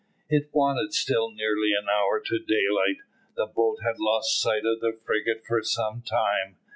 It wanted still nearly an hour to daylight. The boat had lost sight of the frigate for some time.